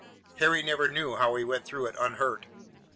Harry never knew how he went through it unhurt.